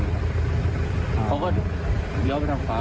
เขาก็เลี้ยวไปทางขวา